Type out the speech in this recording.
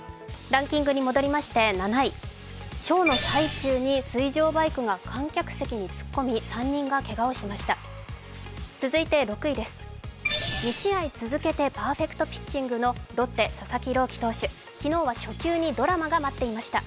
ランキングに戻りまして７位ショーの最中に水上バイクが観客席に突っ込み、３人がけがをしました。